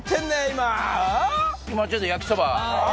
今ちょっと焼きそば。